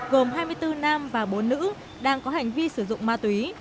gồm hai mươi bốn nam và bốn nữ đang có hành vi sử dụng ma túy